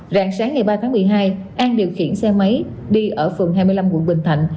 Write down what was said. rạng sáng ngày ba tháng một mươi hai an điều khiển xe máy đi ở phường hai mươi năm quận bình thạnh